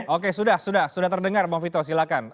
oke sudah sudah terdengar bang vito silahkan